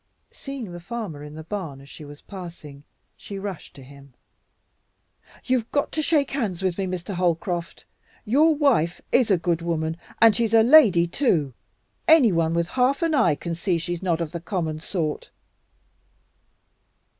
Seeing the farmer in the barn as she was passing, she rushed to him. "You've got to shake hands with me, Mr. Holcroft. Your wife IS a good woman, and she's a lady, too. Anyone with half an eye can see she's not one of the common sort."